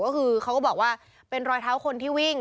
ก็คือเขาก็บอกว่าเป็นรอยเท้าคนที่วิ่ง